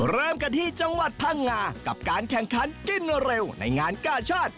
เริ่มกันที่จังหวัดพังงากับการแข่งขันกินเร็วในงานกาชาติ